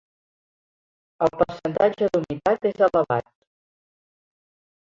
El percentatge d'humitat és elevat.